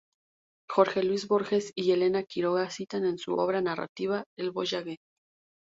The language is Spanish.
Jorge Luis Borges y Elena Quiroga citan en su obra narrativa el "Voyage".